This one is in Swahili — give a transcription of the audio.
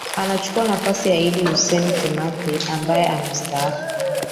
Anachukua nafasi ya Iddi Hassan Kimante ambaye amestaafu